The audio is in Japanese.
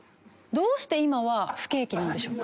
どうして今は不景気なんですか？